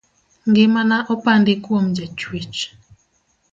Ngimana opandi kuom jachuech.